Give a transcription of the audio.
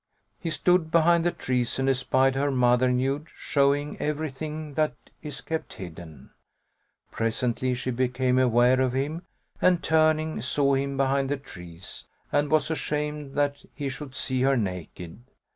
He stood behind the trees and espied her mother nude, showing everything that is kept hidden. Presently, she became aware of him and turning, saw him behind the trees and was ashamed that he should see her naked.